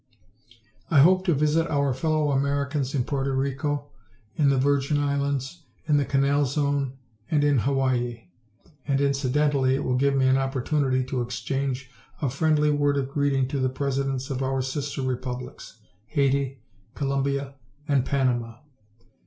I hope to visit our fellow Americans in Puerto Rico, in the Virgin Islands, in the Canal Zone and in Hawaii. And, incidentally, it will give me an opportunity to exchange a friendly word of greeting to the Presidents of our sister Republics: Haiti, Colombia and Panama.